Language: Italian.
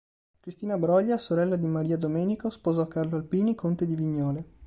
Cristina Broglia sorella di Maria Domenico sposò Carlo Alpini Conte di Vignole.